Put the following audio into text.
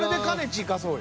いかそうよ。